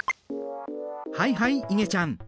はいはいいげちゃん。